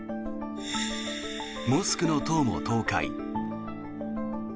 モスクの塔も倒壊。